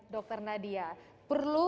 dokter nadia perlu